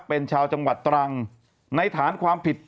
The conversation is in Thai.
เป็นชาวจังหวัดตรังในฐานความผิด